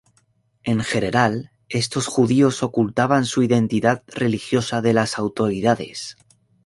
En general estos judíos ocultaban su identidad religiosa de las autoridades.